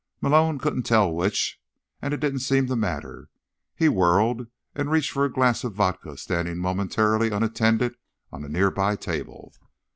Malone couldn't tell which, and it didn't seem to matter. He whirled and reached for a glass of vodka standing momentarily unattended on a nearby table.